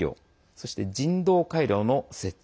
そして、人道回廊の設置。